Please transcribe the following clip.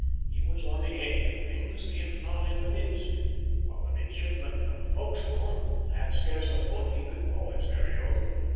He was on the edge of things, if not in the midst; while the midshipman of the forecastle had scarce a foot he could call his very own.